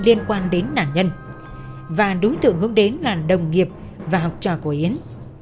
liên quan đến nạn nhân và đối tượng hướng đến là đồng nghiệp và học trò của yến